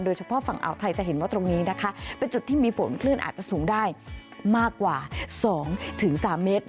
เฉพาะฝั่งอ่าวไทยจะเห็นว่าตรงนี้นะคะเป็นจุดที่มีฝนคลื่นอาจจะสูงได้มากกว่า๒๓เมตร